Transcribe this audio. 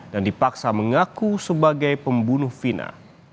dan dipaksa mengaku sebagai pembunuh fina